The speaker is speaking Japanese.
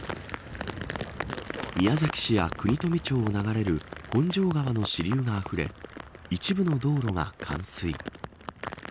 宮崎市や国富町を流れる川の支流があふれ一部の道路が冠水。